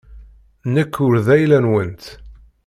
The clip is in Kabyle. Nekk ur d ayla-nwent.